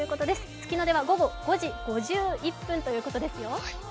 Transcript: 月の出は午後５時５１分ということですよ。